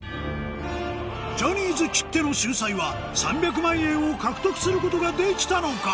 ジャニーズきっての秀才は３００万円を獲得することができたのか？